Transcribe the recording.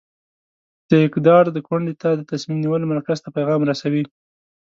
د اقدار د کونډې ته د تصمیم نیولو مرکز ته پیغام رسوي.